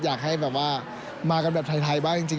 อยากให้แบบว่ามากันแบบไทยบ้างจริง